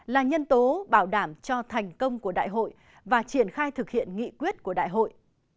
là nhân tố bảo đảm cho thành công của đại hội và triển khai thực hiện nghị quyết của đại hội